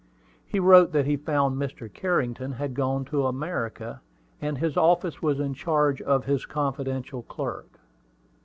He wrote that he found Mr. Carrington had gone to America, and his office was in charge of his confidential clerk.